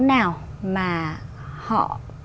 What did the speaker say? nào mà họ